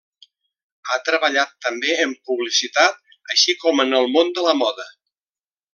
Ha treballat també en publicitat, així com en el món de la moda.